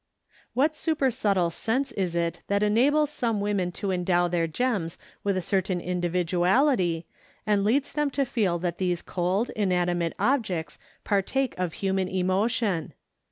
What super subtle sense is it that enables some women to endow their gems with a certain individuality, and leads them to feel that these cold, inanimate objects partake of human emotion?